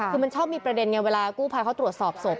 คือมันชอบมีประเด็นไงเวลากู้ภัยเขาตรวจสอบศพ